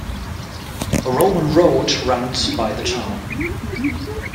A Roman road runs by the town.